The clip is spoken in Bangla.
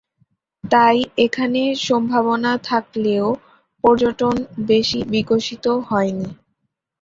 তাই এখানে সম্ভাবনা থাকলেও পর্যটন বেশি বিকশিত হয়নি।